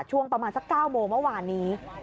ช่วงประมาณสัก๙โมงเมื่อวานนี้